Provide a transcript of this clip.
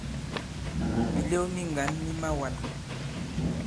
Mìlew mi ŋgǎn mi mawān.